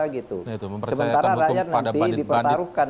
sementara rakyat nanti dipertaruhkan